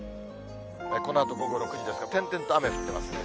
このあと午後６時ですが、点々と雨降ってますね。